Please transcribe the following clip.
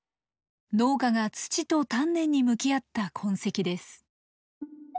農家が土と丹念に向き合った痕跡です。